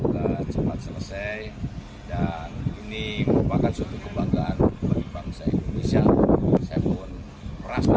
sehingga cepat selesai dan ini merupakan suatu kebanggaan bagi bangsa indonesia saya pun merasa